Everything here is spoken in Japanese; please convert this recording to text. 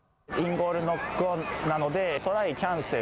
インボール、ノックオンなので。